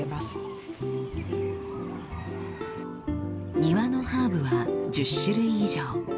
庭のハーブは１０種類以上。